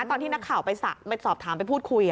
ตอนที่นักข่าวไปสอบถามไปพูดคุย